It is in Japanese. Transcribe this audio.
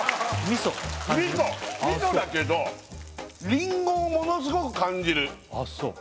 みそだけどりんごをものすごく感じるああそう？